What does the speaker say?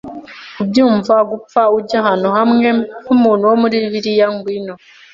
kubyumva? - gupfa, ujye ahantu hawe, nkumuntu wo muri Bibiliya. Ngwino,